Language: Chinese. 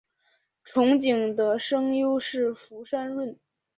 憧憬的声优是福山润。